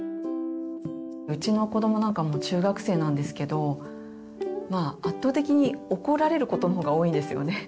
うちの子どもなんかもう中学生なんですけどまあ圧倒的に怒られることの方が多いんですよね。